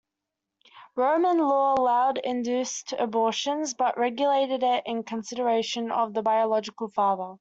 Roman law allowed induced abortions but regulated it in consideration of the biological father.